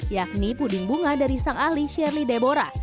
yakni puding bunga dari sang ahli shirley deborah